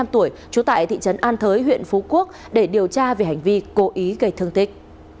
một mươi năm tuổi trú tại thị trấn an thới huyện phú quốc để điều tra về hành vi cố ý gây thương tích